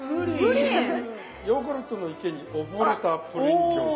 ヨーグルトの池に溺れたプリン餃子。